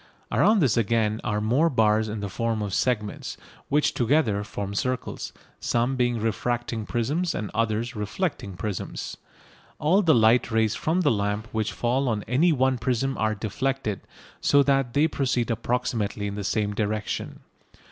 Around this again are more bars in the form of segments, which together form circles, some being refracting prisms and others reflecting prisms. All the light rays from the lamp which fall on any one prism are deflected, so that they proceed approximately in the same direction.